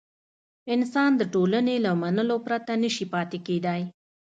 انسان د ټولنې له منلو پرته نه شي پاتې کېدای.